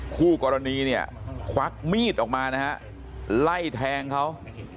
คู่กรณีเนี่ยควักมีดออกมานะฮะไล่แทงเขา